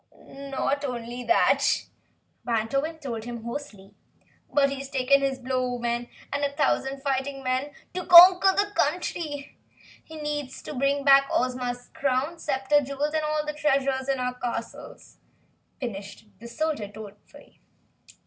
"Not only that," Wantowin told him hoarsely, "but he's taken his Blowmen and a thousand fighting men to conquer the country! He intends to bring back Ozma's crown, scepter, jewels and all the treasures in our castle!" finished the Soldier, dolefully.